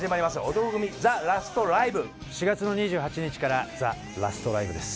『男闘呼組ＴＨＥＬＡＳＴＬＩＶＥ』４月の２８日から『ＴＨＥＬＡＳＴＬＩＶＥ』です。